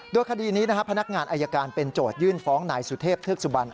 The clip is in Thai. ด้วยคดีนี้นะครับพนักงานอายการเป็นโจทยื่นฟ้องนายสุเทพธึกสุบัน